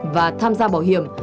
và tham gia bảo hiểm